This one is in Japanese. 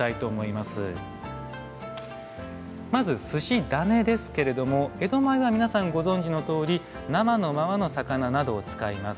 まずすし種ですけれども江戸前は皆さんご存じのとおり生のままの魚などを使います。